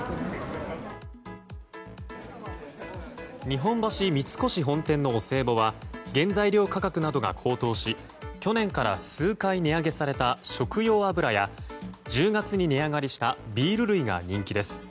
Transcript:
日本橋三越本店のお歳暮は原材料価格などが高騰し去年から数回値上げされた食用油や１０月に値上がりしたビール類が人気です。